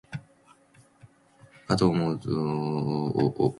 かと思うと、同じ能書でありながら、容姿端麗そのもののようなものもある。